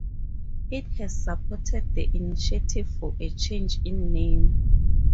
It has supported the initiative for a change in name.